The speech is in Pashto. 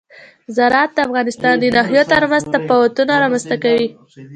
زراعت د افغانستان د ناحیو ترمنځ تفاوتونه رامنځ ته کوي.